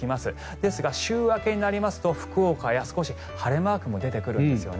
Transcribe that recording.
ですが週明けになりますと福岡などで晴れ間が出てくるんですよね。